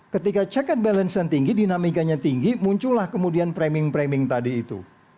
ketika check and balance nya tinggi dinamikanya tinggi muncullah kemudian framing framing tadi itu